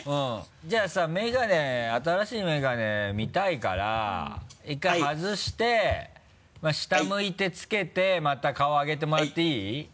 じゃあさ新しいメガネ見たいから１回外して下向いて着けてまた顔あげてもらっていい？